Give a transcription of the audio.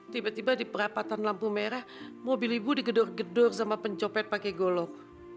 tiba tiba di perapatan lampu merah mobil ibu digedor gedor sama pencopet pakai golok